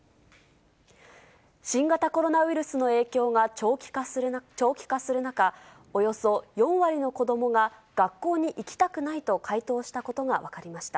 新型コロナウイルスの影響が長期化する中、およそ４割の子どもが、学校に行きたくないと回答したことが分かりました。